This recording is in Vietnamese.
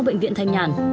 bệnh viện thanh nhàn